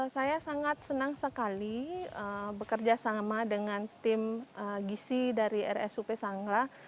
saya sangat senang sekali bekerja sama dengan tim gizi dari rs up sanglah